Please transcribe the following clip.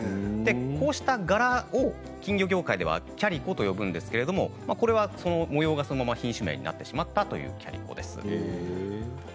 こうした柄を金魚業界はキャリコと呼ぶんですけれども模様がそのまま品種名になってしまったというキャリコです。